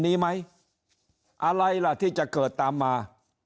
นี้ไหมอะไรล่ะที่จะเกิดตามมา